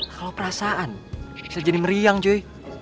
kalau perasaan bisa jadi meriang joy